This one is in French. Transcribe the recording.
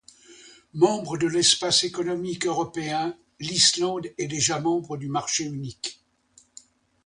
Membre de l'espace économique européen, l'Islande est déjà membre du marché unique.